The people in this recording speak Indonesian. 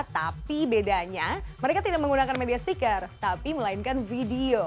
tapi bedanya mereka tidak menggunakan media stiker tapi melainkan video